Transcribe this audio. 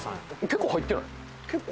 結構入ってない？